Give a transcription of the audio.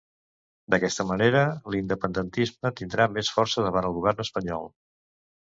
D'aquesta manera, l'independentisme tindrà més força davant el govern espanyol.